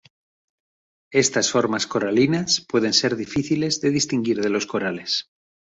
Estas formas coralinas pueden ser difíciles de distinguir de los corales.